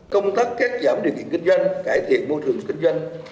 công tắc kết giảm điều kiện kinh doanh cải thiện môi trường kinh doanh